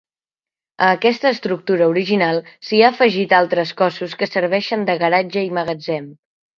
A aquesta estructura original s'hi ha afegit altres cossos que serveixen de garatge i magatzem.